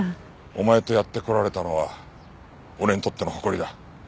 お前とやってこられたのは俺にとっての誇りだ。